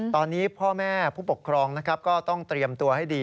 ตอนนี้พ่อแม่ผู้ปกครองนะครับก็ต้องเตรียมตัวให้ดี